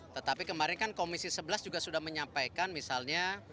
tetapi kemarin kan komisi sebelas juga sudah menyampaikan misalnya